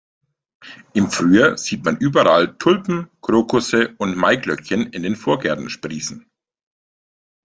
Im Frühjahr sieht man überall Tulpen, Krokusse und Maiglöckchen in den Vorgärten sprießen.